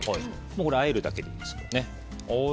これをあえるだけでいいです。